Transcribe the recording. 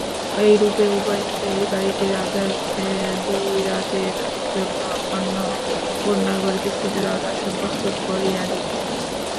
এইরূপে উভয়ে মিলিয়া এই বাড়িটির রাজাধিরাজের জন্য অন্নপূর্ণার ঘরে বিস্তৃত রাজাসন প্রস্তুত করিয়া দিলেন।